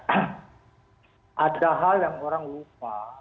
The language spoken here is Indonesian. ada hal yang orang lupa